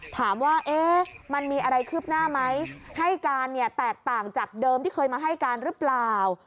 ถามว่ามันมีอะไรคืบหน้าไหมให้การเนี่ยแตกต่างจากเดิมที่เคยมาให้การหรือเปล่า